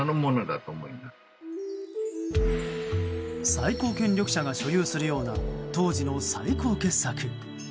最高権力者が所有するような当時の最高傑作。